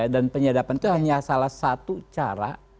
dan penyadapan itu hanya salah satu cara